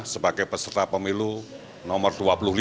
sebagai peserta pemilu nomor dua puluh lima